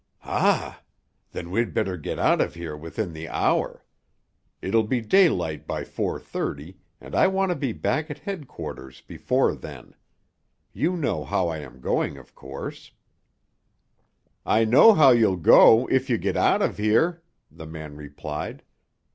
"Ha! Then we'd better get out of here within the hour. It'll be daylight by four thirty, and I want to be back at headquarters before then. You know how I am going, of course." "I know how you'll go if you get out of here," the man replied.